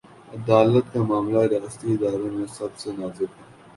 عدالت کامعاملہ، ریاستی اداروں میں سب سے نازک ہے۔